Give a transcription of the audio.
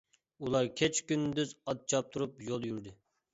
ئۇلار كېچە-كۈندۈز ئات چاپتۇرۇپ يول يۈردى.